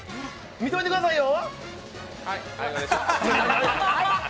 見といてくださいよ！